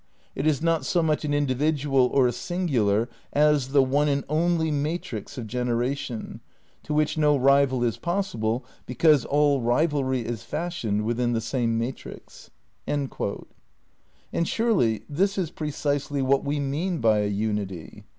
. it is not so much an individual or a singular as the one and only matrix of generation, to which no rival is possible because all rivalry is fashioned within the same matrix." ' And surely this is precisely what we mean by a unity?